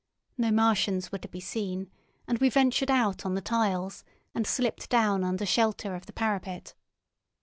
No Martians were to be seen, and we ventured out on the tiles, and slipped down under shelter of the parapet.